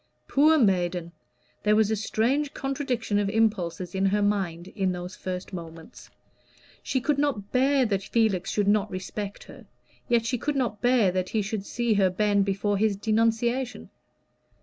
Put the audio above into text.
Poor maiden! There was a strange contradiction of impulses in her mind in those first moments. She could not bear that Felix should not respect her, yet she could not bear that he should see her bend before his denunciation.